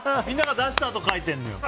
みんなが出したあと書いているの。